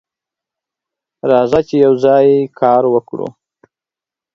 راځه چې یوځای کار وکړو.